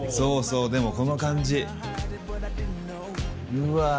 うわ！